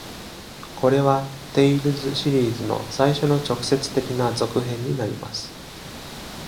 これは「テイルズ」シリーズの最初の直接的な続編になります。